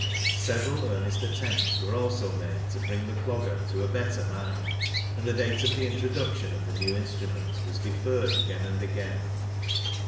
Several earnest attempts were also made to bring the Clogger to a better mind, and the date of the introduction of the new instrument was deferred again and again.